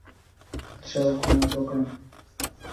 پر چا حکومت وکړم.